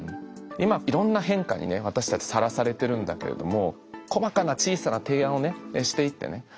今いろんな変化にね私たちさらされてるんだけれども細かな小さな提案をしていってね